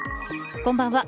こんばんは。